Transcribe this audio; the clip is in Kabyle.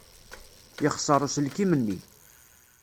Yexṣer uselkim-nni.